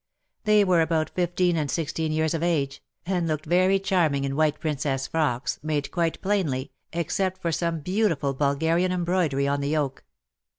They were about fifteen and sixteen years of age, and looked very charming in white Princess frocks, made quite plainly, except for some beautiful Bulgarian embroidery on the yoke.